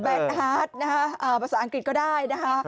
แบทฮาร์ตประสาทอังกฤษก็ได้นะคะ